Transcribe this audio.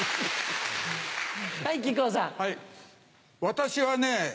私はね